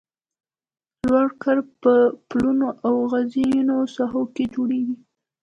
لوړ کرب په پلونو او غرنیو ساحو کې جوړیږي